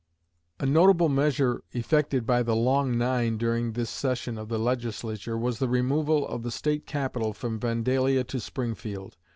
A notable measure effected by the "Long Nine" during this session of the Legislature was the removal of the State Capital from Vandalia to Springfield.